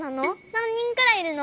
なんにんくらいいるの？